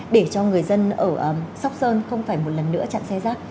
để cho người dân ở sóc sơn không phải một lần nữa chặn xe rác